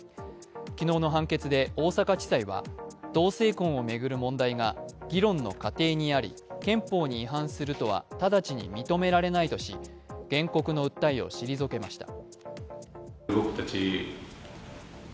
昨日の判決で大阪地裁は同性婚を巡る問題が議論の過程にあり憲法に違反するとは直ちに認められないとし、原告の訴えを退けました。